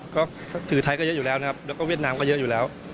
ก็สื่อไทยก็เยอะอยู่แล้วนะครับแล้วก็เวียดนามก็เยอะอยู่แล้ว